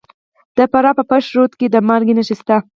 د فراه په پشت رود کې د مالګې نښې شته.